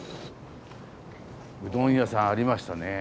うどん屋さんありましたね。